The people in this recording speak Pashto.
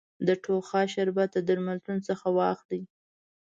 د ټوخا شربت د درملتون څخه واخلی